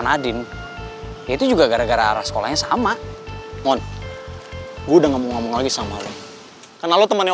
nadine yaitu juga gara gara sekolahnya sama mon udah ngomong lagi sama lu karena lu temannya